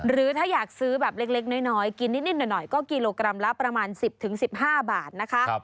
หรือถ้าอยากซื้อแบบเล็กน้อยกินนิดหน่อยก็กิโลกรัมละประมาณ๑๐๑๕บาทนะคะ